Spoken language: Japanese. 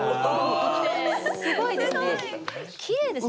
すごいですね。